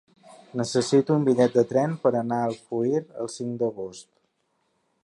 Necessito un bitllet de tren per anar a Alfauir el cinc d'agost.